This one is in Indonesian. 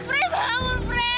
fri fri bangun fri